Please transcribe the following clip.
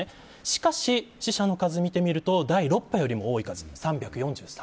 しかし、死者の数を見てみると第６波よりも多い数３４３人です。